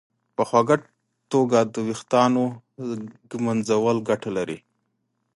په خوږه توګه د ویښتانو ږمنځول ګټه لري.